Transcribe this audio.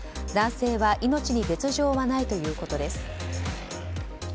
男性は命に別条はないということです。